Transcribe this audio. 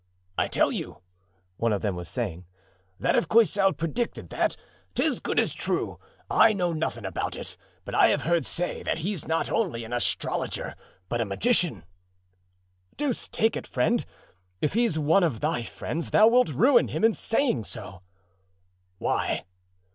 "I tell you," one of them was saying, "that if Coysel predicted that, 'tis as good as true; I know nothing about it, but I have heard say that he's not only an astrologer, but a magician." "Deuce take it, friend, if he's one of thy friends thou wilt ruin him in saying so." "Why?"